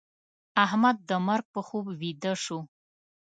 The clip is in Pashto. احمد د مرګ په خوب ويده شو.